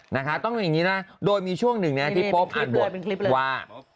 นะคะต้องอย่างนี้นะโดยมีช่วงหนึ่งเนี่ยที่โป๊อ่านบทว่า